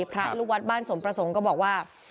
พระลูกวัดบ้านสมประสงค์ก็บอกว่า